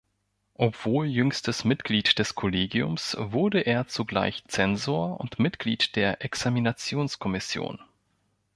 Obwohl jüngstes Mitglied des Kollegiums, wurde er zugleich Zensor und Mitglied der Examinations-Kommission.